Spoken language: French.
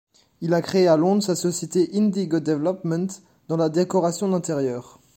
Il a créé à Londres sa société Indigo Development dans la décoration d'intérieur.